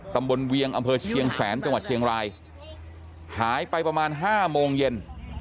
เวียงอำเภอเชียงแสนจังหวัดเชียงรายหายไปประมาณ๕โมงเย็น